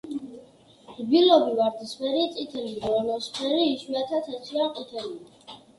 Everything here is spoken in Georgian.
რბილობი ვარდისფერი, წითელი, ჟოლოსფერი, იშვიათად თეთრი ან ყვითელია.